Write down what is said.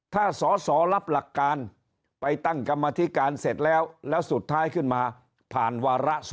ถ้าสอสอรับหลักการไปตั้งกรรมธิการเสร็จแล้วแล้วสุดท้ายขึ้นมาผ่านวาระ๒